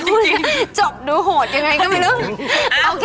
จริงจบดูโหดยังไงก็ไม่รู้